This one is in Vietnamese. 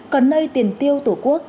còn nơi tiền tiêu tổ quốc